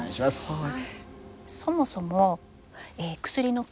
はい。